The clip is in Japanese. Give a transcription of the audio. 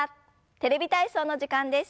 「テレビ体操」の時間です。